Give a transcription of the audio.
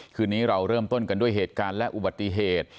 คืนนี้เราเริ่มต้นกันด้วยเหตุการณ์และอุบัติเหตุ